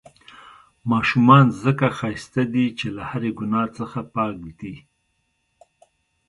ماشومان ځڪه ښايسته دي، چې له هرې ګناه څخه پاک دي.